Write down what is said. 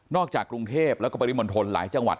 นอกจากกรุงเทพฯและปริมณฑลหลายจังหวัด